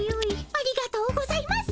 ありがとうございます！